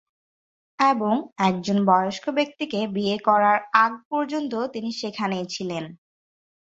এবং একজন বয়স্ক ব্যক্তিকে বিয়ের করার আগপর্যন্ত তিনি সেখানেই ছিলেন।